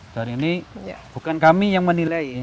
dan ini bukan kami yang menilai